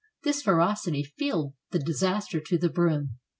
This ferocity filled the disaster to the brim.